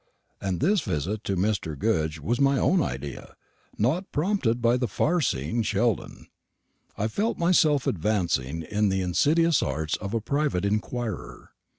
And this visit to Mr. Goodge was my own idea, not prompted by the far seeing Sheldon. I felt myself advancing in the insidious arts of a private inquirer.